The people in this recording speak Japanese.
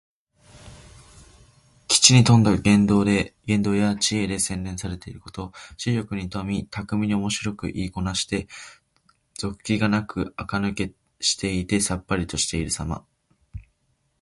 機知に富んだ言動や知恵で、洗練されていること。知力に富み、巧みにおもしろく言いこなして、俗気がなくあかぬけしていてさっぱりとしているさま。